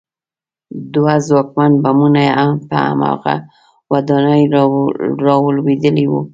دوه ځواکمن بمونه په هماغه ودانۍ رالوېدلي وو